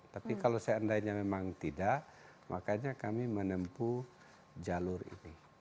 tapi kalau seandainya memang tidak makanya kami menempuh jalur ini